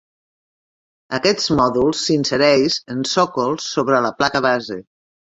Aquests mòduls s'insereix en sòcols sobre la placa base.